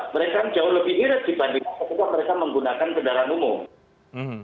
mereka jauh lebih mirip dibandingkan ketika mereka menggunakan kendaraan umum